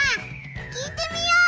聞いてみよう！